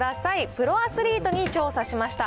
プロアスリートに調査しました。